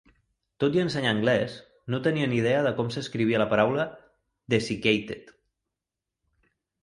Tot i ensenyar anglès, no tenia ni idea de com s'escrivia la paraula "desiccated".